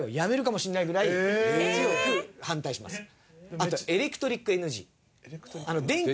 あとはエレクトリックＮＧ。